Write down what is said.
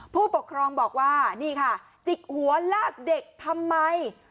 ผู้ปกครองบอกว่านี่ค่ะจิกหัวลากเด็กทำไม